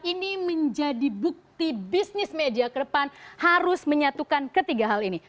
ini menjadi bukti bisnis media ke depan harus menyatukan ketiga hal ini